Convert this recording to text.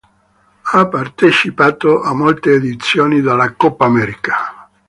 Ha partecipato a molte edizioni della Coppa America.